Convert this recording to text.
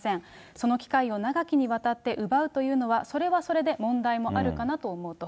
その機会を長きにわたって奪うというのは、それはそれで問題もあるかなと思うと。